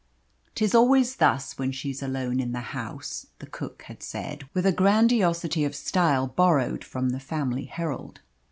"'Tis always thus when she's alone in the house," the cook had said, with a grandiosity of style borrowed from the Family Herald.